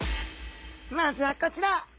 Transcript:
まずはこちら。